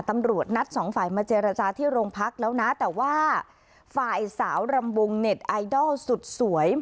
ตำรวจนัดสองฝ่ายมาเจรจาที่โรงพักแล้วนะแต่ว่าฝ่ายสาวรำวงเน็ตไอดอลสุดสวย